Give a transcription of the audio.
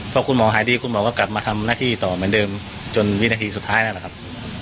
พอคุณหมอหายดีคุณหมอก็กลับมาทำหน้าที่ต่อเหมือนเดิมจนวินาทีสุดท้ายนั่นแหละครับ